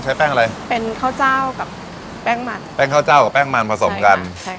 แป้งอะไรเป็นข้าวเจ้ากับแป้งมันแป้งข้าวเจ้ากับแป้งมันผสมกันใช่ค่ะ